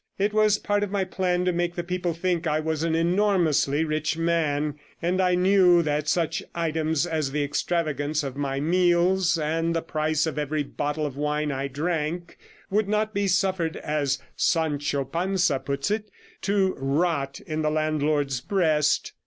It was part of my plan to make the people think I was an enormously rich man; and I knew that such items as the extravagance of my meals, and the price of every bottle of wine I drank, would not be suffered, as Sancho Panza puts it, to rot in the landlord's breast.